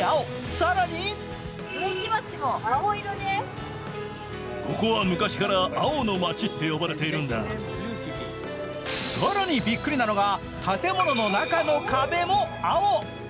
更に更にびっくりなのが建物の中の壁も青。